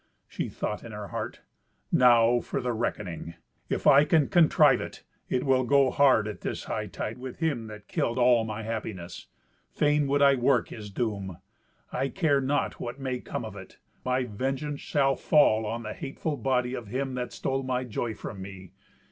She thought in her heart, "Now for the reckoning! If I can contrive it, it will go hard at this hightide with him that killed all my happiness. Fain would I work his doom. I care not what may come of it: my vengeance shall fall on the hateful body of him that stole my joy from me.